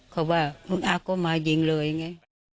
เขาว่าคุณอาก็มายิงเลยไง